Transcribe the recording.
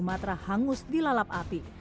sumatera hangus dilalap api